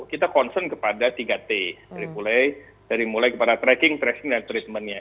kita concern kepada tiga t dari mulai kepada tracking tracing dan treatmentnya